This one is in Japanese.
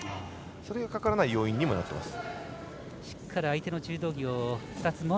それがかからない要因になってます。